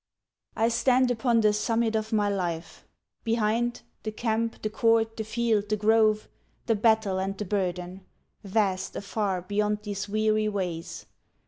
I stand upon the summit of my life, Behind, the camp, the court, the field, the grove, The battle, and the burden: vast, afar Beyond these weary ways.